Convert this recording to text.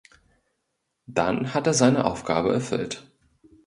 Dann hat er seine Aufgabe erfüllt.